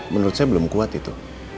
menurut saya belum kuat itu